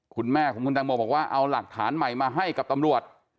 คุณแม่ของคุณตังโมบอกว่าเอาหลักฐานใหม่มาให้กับตำรวจ